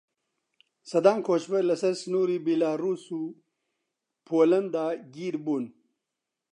سەدان کۆچبەر لەسەر سنووری بیلاڕووس و پۆلەندا گیر بوون.